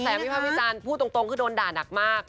ก็แสดงว่าวิภาพิจารณ์พูดตรงคือโดนด่าหนักมาก